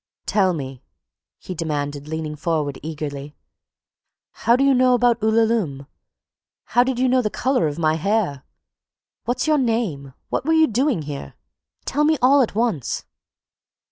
"Tell me," he demanded, leaning forward eagerly, "how do you know about 'Ulalume'—how did you know the color of my hair? What's your name? What were you doing here? Tell me all at once!"